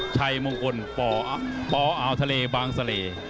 ชัยมงคลปอาวทะเลบางทะเล